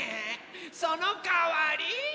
そのかわり。